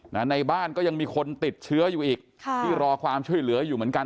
ในบ้านก็ยังมีคนติดเชื้ออยู่อีกค่ะที่รอความช่วยเหลืออยู่เหมือนกัน